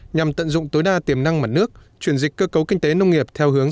nhằm tận dụng tối đa tiềm năng mặt nước chuyển dịch cơ cấu kinh tế nông nghiệp theo hướng